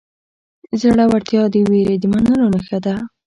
زړورتیا د وېرې د منلو نښه ده.